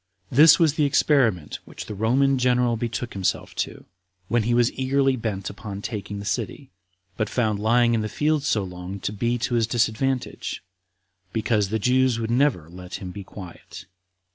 This was the experiment which the Roman general betook himself to, when he was eagerly bent upon taking the city; but found lying in the field so long to be to his disadvantage, because the Jews would never let him be quiet.